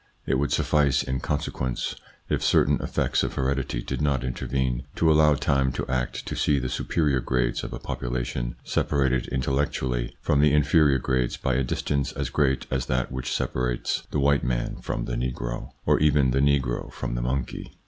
It would suffice in consequence, if certain effects of heredity did not intervene, to allow time to act to see the superior grades of a population separated intellectually from the inferior grades by a distance as great as that which separates the white man from the negro, or even the negro from the monkey.